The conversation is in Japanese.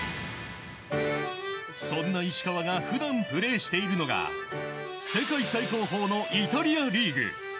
そんな石川が普段プレーしているのが世界最高峰のイタリアリーグ。